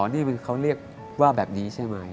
นี่เขาเรียกว่าแบบนี้ใช่ไหม